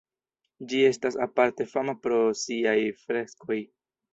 Ĝi estas aparte fama pro siaj freskoj.